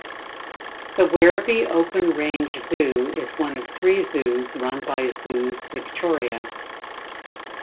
The Werribee Open Range Zoo is one of three zoos run by Zoos Victoria.